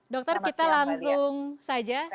dokter kita langsung saja